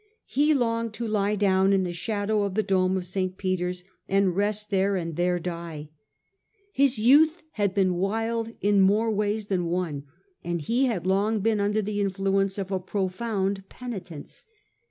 He longed to lie down in the shadow of the dome of St. Peter's and rest there, . and there die. Mis youth had been wild in more ways than one, and he had long been under the influ ence of a profound penitence.